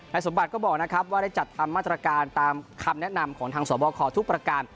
สมบัติก็บอกนะครับว่าได้จัดทำมาตรการตามคำแนะนำของทางสวบคทุกประการ